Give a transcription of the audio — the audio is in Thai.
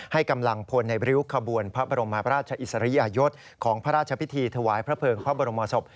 กำลังพลในริ้วขบวนพระบรมราชอิสริยยศของพระราชพิธีถวายพระเภิงพระบรมศพ